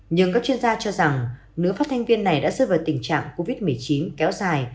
nhưng các chuyên gia cho rằng nữ phát thanh viên này đã rơi vào tình trạng covid một mươi chín kéo dài